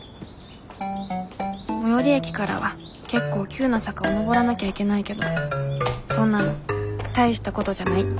最寄り駅からは結構急な坂を上らなきゃいけないけどそんなの大したことじゃない。